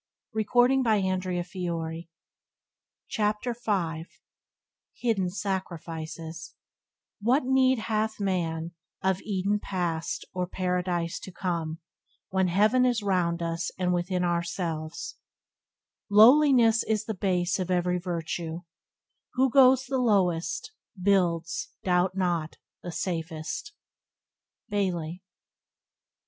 Byways to Blessedness by James Allen 22 Hidden Sacrifices "What need hath man Of Eden passed, or Paradise to come, When heaven is round us and within ourselves?"... "Lowliness is the base of every virtue: Who goes the lowest, builds, doubt not, the safest." —Bailey.